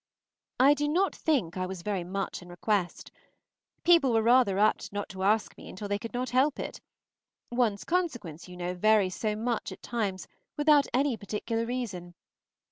I do not think I was very much in request. People were rather apt not to ask me till they could not help it; one's consequence, you know, varies so much at times without any particular reason.